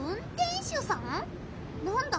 なんだ？